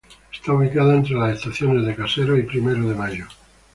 Está ubicada entre las estaciones de Caseros y Primero de Mayo.